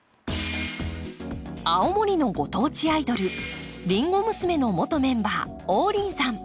青森のご当地アイドルりんご娘の元メンバー王林さん。